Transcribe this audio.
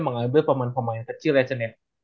mengambil pemen pemain kecil ya chen ya